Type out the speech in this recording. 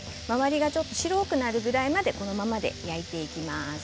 周りがちょっと白くなるくらいまでこのままで焼いていきます。